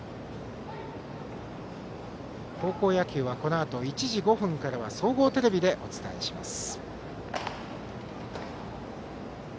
高校野球はこのあと１時５分からは総合テレビでお伝えします。